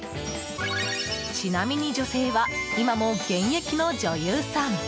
ちなみに女性は今も現役の女優さん。